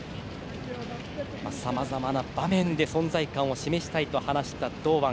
さまざまな場面で存在感を示したいと話した堂安。